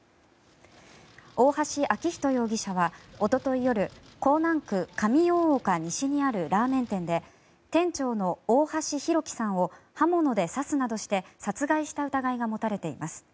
大橋昭仁容疑者はおととい夜港南区上大岡西にあるラーメン店で店長の大橋弘輝さんを刃物で刺すなどして殺害した疑いが持たれています。